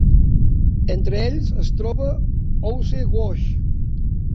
Entre ells es troba Ouse Wash.